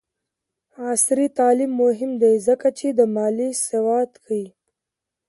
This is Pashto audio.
عصري تعلیم مهم دی ځکه چې د مالي سواد ښيي.